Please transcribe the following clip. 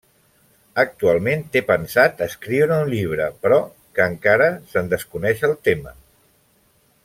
Actualment té pensat escriure un llibre, però que encara se'n desconeix el tema.